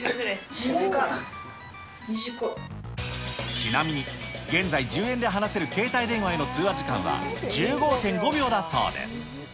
ちなみに現在１０円で話せる携帯電話への通話時間は、１５．５秒だそうです。